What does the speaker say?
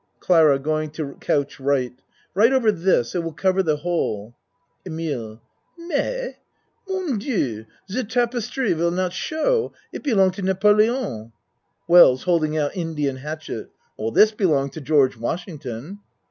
CLARA (Going to couch R.) Right over this. It will cover the hole. EMILE Mais! Mon Dieu! Ze tapestry will not show. It belong to Napoleon. WELLS (Holding out Indian hatchet.) This belonged to George Washington.